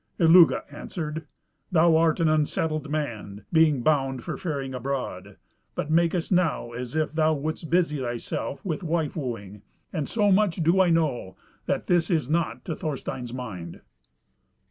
Illugi answered, "Thou art an unsettled man, being bound for faring abroad, but makest now as if thou wouldst busy thyself with wife wooing; and so much do I know, that this is not to Thorstein's mind."